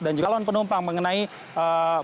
dan juga calon penumpang mengenai bandara terminal tiga